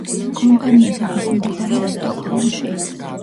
კომპანიის ოფისი მდებარეობს სტოკჰოლმში.